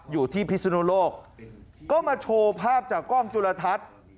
พิศนุโลกก็มาโชว์ภาพจากกล้องจุลทัศน์